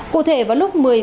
cụ thể vào lúc một mươi ba h